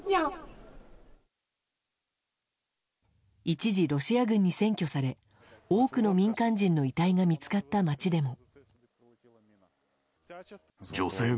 一時、ロシア軍に占拠され多くの民間人の遺体が見つかった街でも。